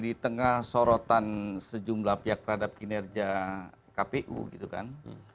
di tengah sorotan sejumlah pihak terhadap kinerja kpu gitu kan